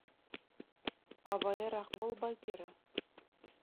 — Абайыраҡ бул, Багира!